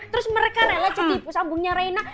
terus mereka rela jadi ibu sambungnya rena